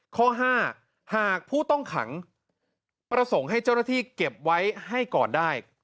ข้อ๕หากผู้ต้องขังประสงค์ให้เจ้าหน้าที่เก็บไว้ให้ก่อนได้